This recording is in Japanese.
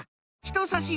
ひとさし